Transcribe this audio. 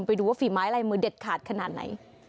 ไปดูว่าฝีไม้ลายมือเด็ดขาดขนาดไหน